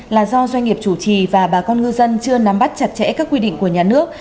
là do doanh nghiệp chủ trì và bà con ngư dân chưa nắm bắt chặt chẽ các quy định của nhà nước